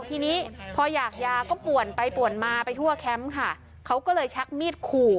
ทีนี้พออยากยาก็ป่วนไปป่วนมาไปทั่วแคมป์ค่ะเขาก็เลยชักมีดขู่